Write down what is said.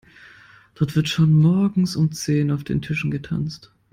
Dort wird schon morgens um zehn auf den Tischen getanzt.